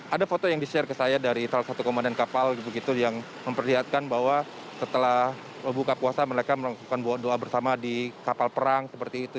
ada foto yang di share ke saya dari salah satu komandan kapal begitu yang memperlihatkan bahwa setelah buka puasa mereka melakukan doa bersama di kapal perang seperti itu